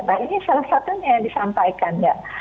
nah ini salah satunya yang disampaikan ya